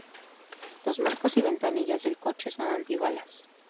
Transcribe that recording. Los marcos y ventanillas del coche son antibalas.